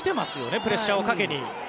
プレッシャーをかけに。